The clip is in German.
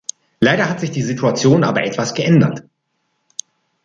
Leider hat sich die Situation aber etwas geändert.